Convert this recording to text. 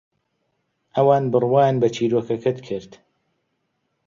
ئەوان بڕوایان بە چیرۆکەکەت کرد.